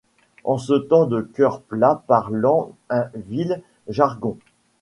En ce temps de coeurs plats parlant un vil jargon